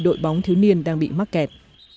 đội bóng thiếu niên đang bị mắc kẹt